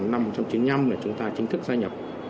năm một nghìn chín trăm chín mươi năm là chúng ta chính thức gia nhập